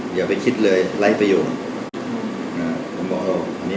อย่าไปคิดเลยไร้ประโยชน์